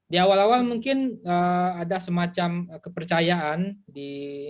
di awal awal mungkin ada semacam kepercayaan di